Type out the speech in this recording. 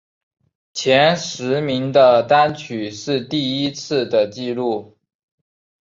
前十名的单曲是第一次的记录。